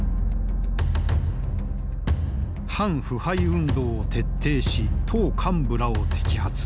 反腐敗運動を徹底し党幹部らを摘発。